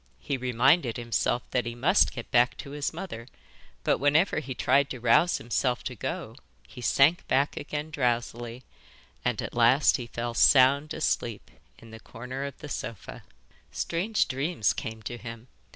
He reminded himself that he must get back to his mother, but whenever he tried to rouse himself to go he sank back again drowsily, and at last he fell sound asleep in the corner of the sofa. Strange dreams came to him.